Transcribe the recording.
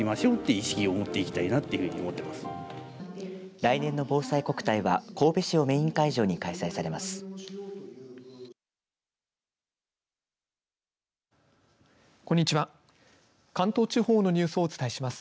来年のぼうさいこくたいは神戸市をメイン会場に開催されます。